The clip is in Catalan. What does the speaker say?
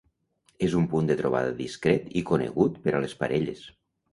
És un punt de trobada discret i conegut per a les parelles.